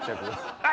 はい！